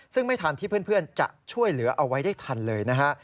ซึ่งไม่ทันที่เพื่อนจะช่วยเหลือเอาไว้ได้ทันเลยนะฮะ